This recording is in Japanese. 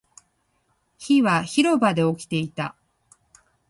火は広場で起きていた